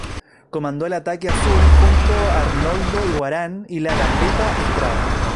Comandó el ataque azul junto a Arnoldo Iguarán y la "gambeta" Estrada.